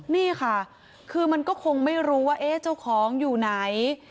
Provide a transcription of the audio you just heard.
นี่ค่ะคือมันก็คงไม่รู้ว่าเจ้าของอยู่ไหน